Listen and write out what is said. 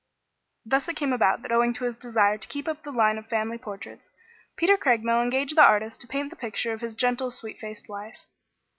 Thus it came about that owing to his desire to keep up the line of family portraits, Peter Craigmile engaged the artist to paint the picture of his gentle, sweet faced wife.